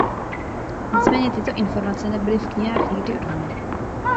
Nicméně tyto informace nebyly v knihách nikdy odhaleny.